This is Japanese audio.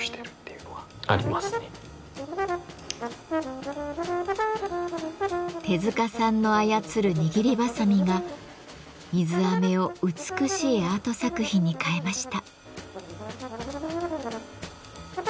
なのでまあまず手塚さんの操る握りばさみが水飴を美しいアート作品に変えました。